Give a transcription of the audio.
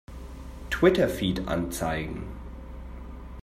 Twitter-Feed anzeigen!